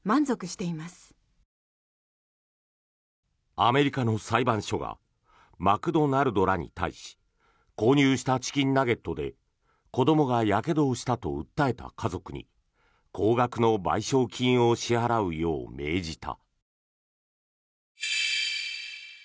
アメリカの裁判所がマクドナルドらに対し購入したチキンナゲットで子どもがやけどをしたと訴えた家族に高額の賠償金を支払うよう命じた。